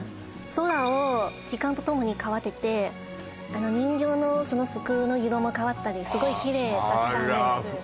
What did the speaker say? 空を時間とともに変わってって人形のその服の色も変わったりすごいキレイだったんですあら